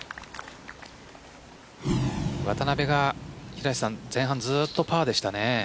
渡邉が前半、ずっとパーでしたね。